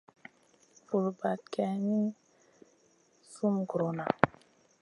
Vul bahd geyn mi sum gurona.